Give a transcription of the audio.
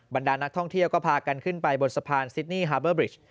ดานักท่องเที่ยวก็พากันขึ้นไปบนสะพานซิดนี่ฮาเบอร์บริช